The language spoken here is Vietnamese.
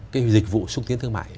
cái dịch vụ xúc tiến thương mại